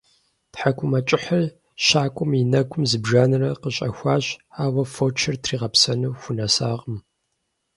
ТхьэкӀумэкӀыхьыр щакӀуэм и нэгум зыбжанэрэ къыщӀэхуащ, ауэ фочыр тригъэпсэну хунэсакъым.